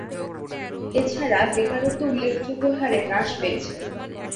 এছাড়া বেকারত্ব উল্লেখযোগ্য হারে হ্রাস পেয়েছে।